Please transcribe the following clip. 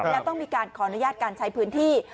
และต้องมีการขออนุญาตการใช้พื้นที่